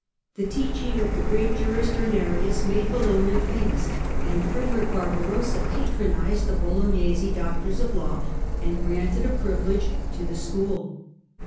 The teaching of the great jurist Irnerius made Bologna fam ous, and Frederick Barbarossa patronized the Bolognese doctors of law, and granted a privilege to the School.